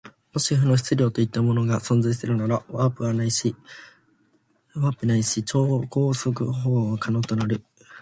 もし負の質量といったようなものが存在するなら、ワープないし超光速航法が可能となる。